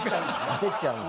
焦っちゃうのね。